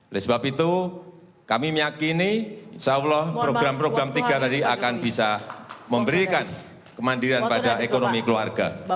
oleh sebab itu kami meyakini insya allah program program tiga tadi akan bisa memberikan kemandirian pada ekonomi keluarga